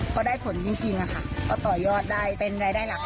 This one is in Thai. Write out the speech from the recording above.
พอได้ผลจริงค่ะก็ต่อยอดได้เป็นรายได้หลัก